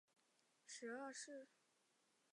庄学和属毗陵庄氏第十二世。